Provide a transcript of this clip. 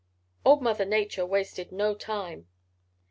"Old Mother Nature wasted no time.